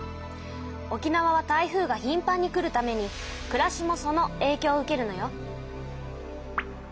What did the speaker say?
沖縄は台風がひんぱんに来るためにくらしもそのえいきょうを受けるのよ。